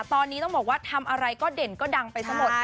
ตอนนี้ต้องบอกว่าทำอะไรก็เด่นก็ดังไปซะหมด